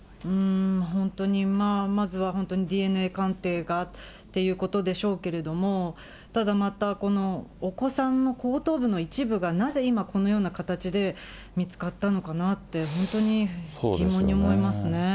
本当に、まずは本当にＤＮＡ鑑定ということでしょうけれども、ただまたお子さんの後頭部の一部がなぜ今、このような形で見つかったのかなって、本当に疑問に思いますね。